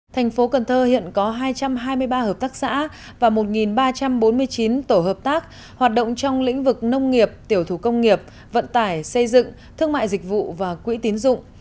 thành phố cần thơ hiện có hai trăm hai mươi ba hợp tác xã và một ba trăm bốn mươi chín tổ hợp tác hoạt động trong lĩnh vực nông nghiệp tiểu thủ công nghiệp vận tải xây dựng thương mại dịch vụ và quỹ tín dụng